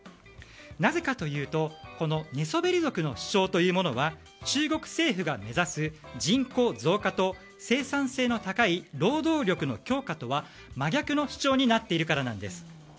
なぜかというと寝そべり族の主張というものは中国政府が目指す人口増加と生産性の高い労働力の強化とは真逆の主張になっているからなんです。